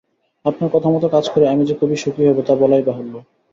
আপনার কথামত কাজ করে আমি যে খুবই সুখী হব, তা বলাই বাহুল্য।